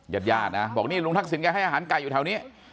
ยาดนะบอกนี่ลุงทักษิณให้อาหารไก่อยู่แถวนี้